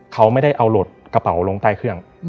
เขาไม่ได้เอาโหลดกระเป๋าลงใต้เครื่อง